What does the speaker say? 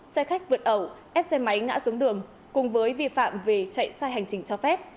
xe khách vượt ẩu ép xe máy ngã xuống đường cùng với vi phạm về chạy sai hành trình cho phép